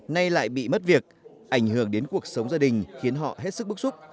nay lại bị mất việc ảnh hưởng đến cuộc sống gia đình khiến họ hết sức bức xúc